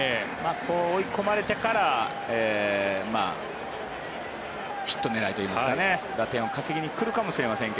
追い込まれてからヒット狙いといいますか打点を稼ぎに来るかもしれませんが。